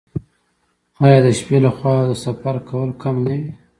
آیا د شپې لخوا د سفر کول کم نه وي؟